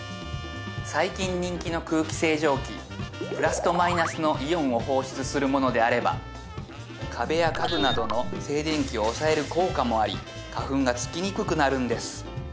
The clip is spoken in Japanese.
最近人気の空気清浄機プラスとマイナスのイオンを放出するものであれば壁や家具などの静電気を抑える効果もあり花粉がつきにくくなるんです